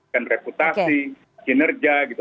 dan reputasi kinerja gitu